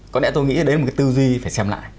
có lẽ tôi nghĩ đấy là một cái tư duy phải xem lại